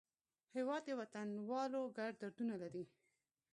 هېواد د وطنوالو ګډ دردونه لري.